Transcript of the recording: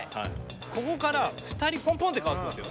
ここから２人ポンポンってかわすんですよ。